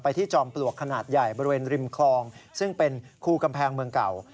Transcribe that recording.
ที่จอมปลวกขนาดใหญ่บริเวณริมคลองซึ่งเป็นคู่กำแพงเมืองเก่า